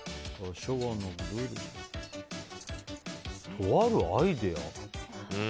とあるアイデア？